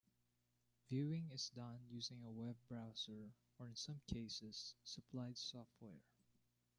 Viewing is done using a web browser or in some cases supplied software.